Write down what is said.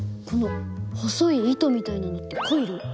この細い糸みたいなのってコイル？